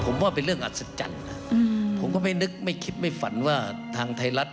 ผมว่าเป็นเรื่องอัศจรรย์นะผมก็ไม่นึกไม่คิดไม่ฝันว่าทางไทยรัฐ